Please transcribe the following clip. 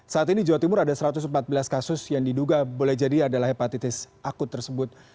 saat ini jawa timur ada satu ratus empat belas kasus yang diduga boleh jadi adalah hepatitis akut tersebut